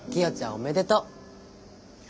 おめでとう。